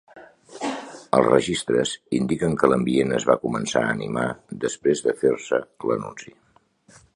Els registres indiquen que l'ambient es va començar a animar després de fer-se l'anunci.